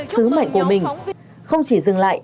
sứ mệnh của mình không chỉ dừng lại